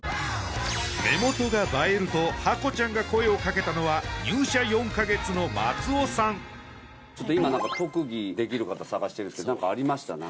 目元が映えるとハコちゃんが声をかけたのはちょっと今何か特技できる方探してるんですけど何かありました？